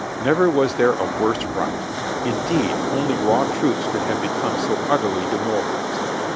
Never was there a worse rout. Indeed, only raw troops could have become so utterly demoralized.